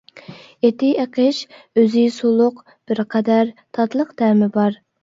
ئېتى ئېقىش، ئۆزى سۇلۇق، بىر قەدەر تاتلىق تەمى بار.